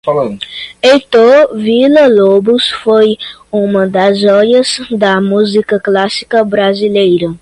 Heitor Villa-Lobos foi uma das joias da música clássica brasileira